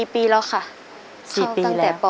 ๔ปีแล้วค่ะเข้าตั้งแต่ป๕